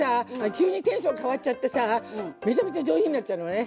急にテンション変わっちゃってさめちゃめちゃ上品になっちゃうのね。